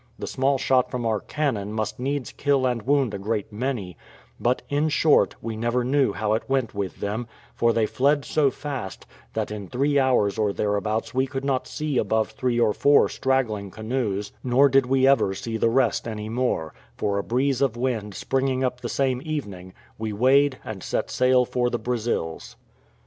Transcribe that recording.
The small shot from our cannon must needs kill and wound a great many; but, in short, we never knew how it went with them, for they fled so fast, that in three hours or thereabouts we could not see above three or four straggling canoes, nor did we ever see the rest any more; for a breeze of wind springing up the same evening, we weighed and set sail for the Brazils.